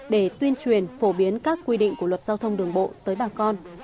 để tuyên truyền phổ biến các quy định của luật giao thông đường bộ tới bà con